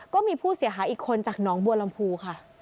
ก็มีผู้เสียหายอีกคนจากหนองบัวลำพูค่ะ